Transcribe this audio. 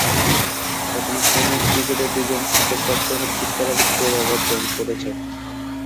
প্রথম-শ্রেণীর ক্রিকেটে দুইজন উইকেট-রক্ষক হ্যাট্রিক করার গৌরব অর্জন করেছেন।